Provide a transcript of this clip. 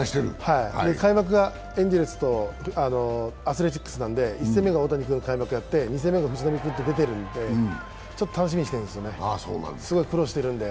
開幕がエンゼルスとアスレチックスなので、１戦目が大谷君が開幕やって２戦目が藤浪君と出てるんでちょっと楽しみにしてるんですよね、苦労してるんで。